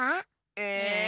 え？